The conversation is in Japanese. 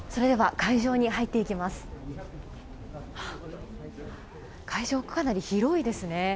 会場、かなり広いですね。